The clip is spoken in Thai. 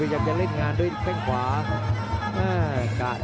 พยายามจะไถ่หน้านี่ครับการต้องเตือนเลยครับ